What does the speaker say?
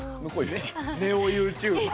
ネオＹｏｕＴｕｂｅｒ。